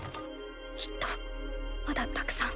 きっとまだたくさん。